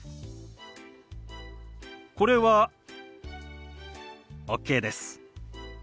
これはＯＫです。